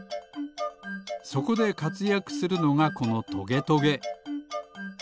そこでかつやくするのがこのトゲトゲ。